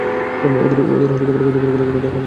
ওদের খুঁজে বের করার দরকার নেই।